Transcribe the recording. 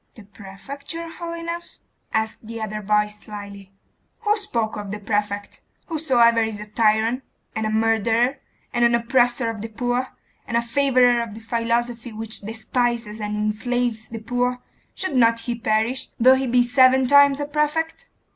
'The prefect, your holiness?' asked the other voice slily. 'Who spoke of the prefect? Whosoever is a tyrant, and a murderer, and an oppressor of the poor, and a favourer of the philosophy which despises and enslaves the poor, should not he perish, though he be seven times a prefect?